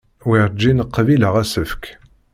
Werǧin qbileɣ asefk.